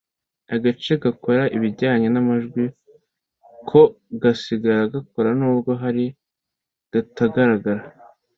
agace gakora ibijyanye n’amajwi ko gasigara gakora nubwo kaba katagaragara